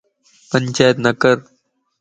پنچاتَ نڪر